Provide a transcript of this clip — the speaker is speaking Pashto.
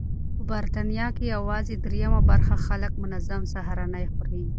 په بریتانیا کې یوازې درېیمه برخه خلک منظم سهارنۍ خوري.